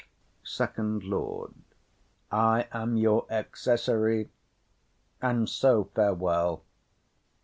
SECOND LORD. I am your accessary; and so farewell.